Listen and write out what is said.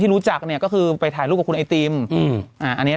รู้จักเนี่ยก็คือไปถ่ายรูปกับคุณไอติมอืมอ่าอันนี้